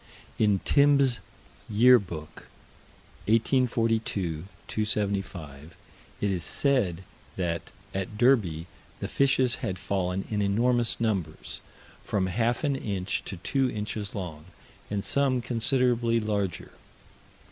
In Timb's Year Book, 1842 275, it is said that, at Derby, the fishes had fallen in enormous numbers; from half an inch to two inches long, and some considerably larger.